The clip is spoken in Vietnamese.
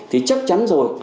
thì chắc chắn rồi